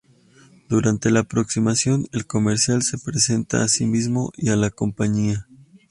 Durante la aproximación, el comercial se presenta a sí mismo y a la compañía.